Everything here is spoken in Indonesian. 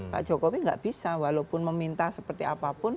pak jokowi nggak bisa walaupun meminta seperti apapun